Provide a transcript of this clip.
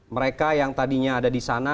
mereka yang tadinya ada di sana